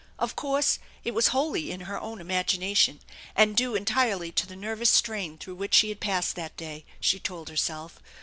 Of course it was wholly in her own imagination, and due entirely to the nervous strain through which she had passed that day, she told herself.